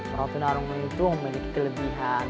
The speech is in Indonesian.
orang tuna rungu itu memiliki kelebihan